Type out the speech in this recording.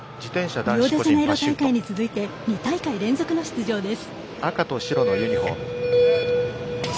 リオデジャネイロ大会に続いて２大会連続の出場です。